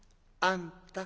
「あんた。